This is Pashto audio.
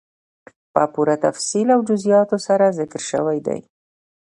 په پوره تفصيل او جزئياتو سره ذکر سوي دي،